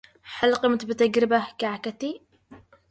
هل قمت بتجربة كعكتي؟